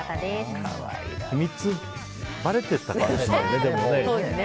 秘密ばれたかもしれないね。